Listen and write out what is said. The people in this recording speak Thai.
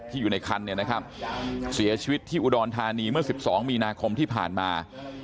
อยู่ในคันเนี่ยนะครับเสียชีวิตที่อุดรธานีเมื่อ๑๒มีนาคมที่ผ่านมา